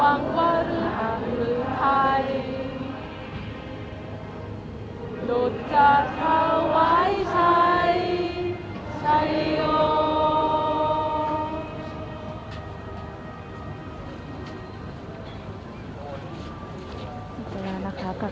มันเป็นสิ่งที่จะให้ทุกคนรู้สึกว่ามันเป็นสิ่งที่จะให้ทุกคนรู้สึกว่า